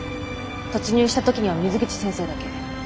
突入した時には水口先生だけ。